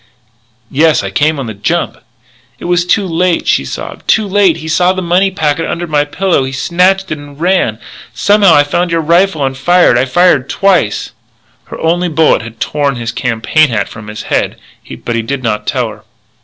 "Yes. I came on the jump." "It was too late," she sobbed; " too late! He saw the money packet under my pillow and he snatched it and ran. Somehow I found your rifle and fired. I fired twice." Her only bullet had torn his campaign hat from his head. But he did not tell her.